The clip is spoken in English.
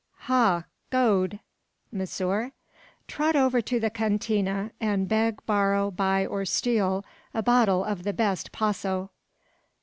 '" "Ha! Gode!" "Monsieur?" "Trot over to the cantina, and beg, borrow, buy, or steal, a bottle of the best Paso."